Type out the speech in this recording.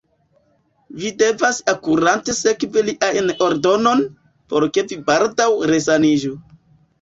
Vi devas akurate sekvi liajn ordonojn, por ke vi baldaŭ resaniĝu.